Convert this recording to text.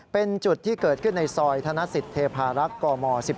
เป็นจุดที่เกิดขึ้นในซอยธนสิทธิเทพารักษ์กม๑๑